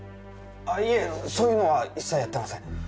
あっいいえそういうのは一切やってません